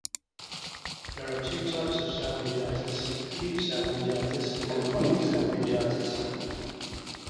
There are two types of salpingitis: acute salpingitis and chronic salpingitis.